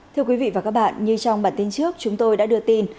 thưa quý vị và các bạn như trong bản tin trước chúng tôi đã đưa tin